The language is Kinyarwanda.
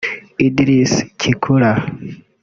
Idris Kikula